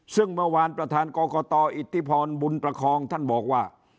ซึ่งเมื่อวานประธานกรกตอิทธิพรบุญประคองท่านบอกว่า